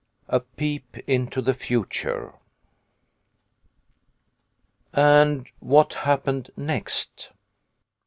A PEEP INTO THE FUTURE. " AND what happened next